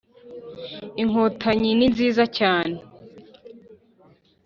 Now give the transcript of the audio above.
inkotanyi ninziza cyane